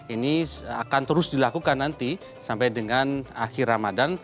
ini akan terus dilakukan nanti sampai dengan akhir ramadan